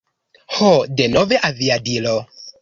Ho, denove aviadilo.